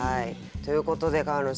ということで川野さん